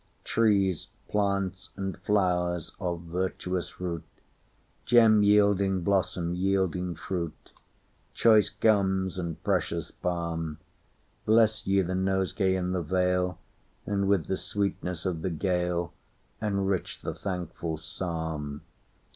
Trees, plants, and flowers—of virtuous root; Gem yielding blossom, yielding fruit, Choice gums and precious balm; Bless ye the nosegay in the vale, And with the sweetness of the galeEnrich the thankful psalm.